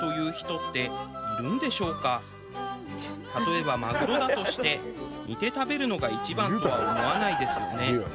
例えばマグロだとして煮て食べるのが一番とは思わないですよね。